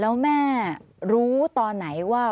แล้วแม่รู้ตอนไหนว่า